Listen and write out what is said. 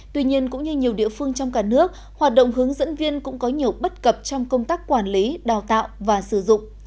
tuy nhiên cũng như nhiều địa phương trong cả nước hoạt động hướng dẫn viên cũng có nhiều bất cập trong công tác quản lý đào tạo và sử dụng